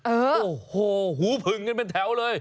โอ้โหหูผึงกันเป็นแถวเลย